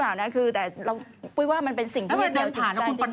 ไปกราบมา